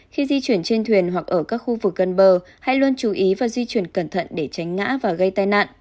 khi di chuyển trên thuyền hoặc ở các khu vực gần bờ hãy luôn chú ý và di chuyển cẩn thận để tránh ngã và gây tai nạn